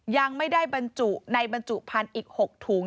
ยังไม่ได้บรรจุในบรรจุพันธุ์อีก๖ถุง